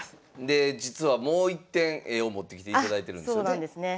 で実はもう一点絵を持ってきていただいてるんですよね。